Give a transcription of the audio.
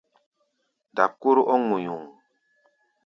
Dap kóró ɔ́ ŋuyuŋ.